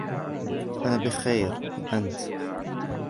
انا بخير ، وانت ؟